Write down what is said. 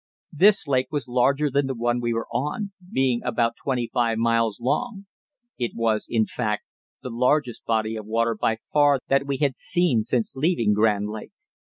This lake was larger than the one we were on, being about twenty five miles long; it was, in fact, the largest body of water by far that we had seen since leaving Grand Lake.